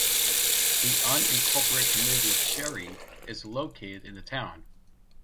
The unincorporated community of Sherry is located in the town.